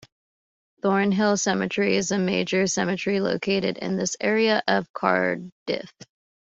Thornhill Cemetery is a major cemetery located in this area of Cardiff.